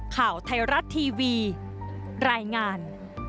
ข่าวไทยรัฐทีวีรายงาน